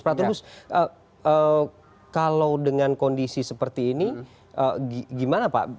pak turbus kalau dengan kondisi seperti ini gimana pak